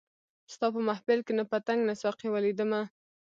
ستا په محفل کي نه پتنګ نه ساقي ولیدمه